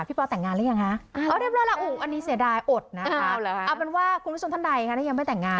พี่แววแตกงานแล้วยัง